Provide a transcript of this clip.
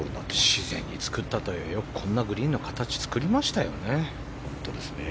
自然に作ったとはいえよくこんなグリーンの形を作りましたよね。